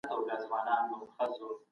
علتونه وپېژنئ.